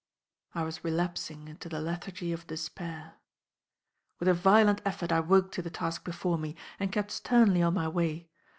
I was relapsing into the lethargy of despair. With a violent effort I woke to the task before me, and kept sternly on my way.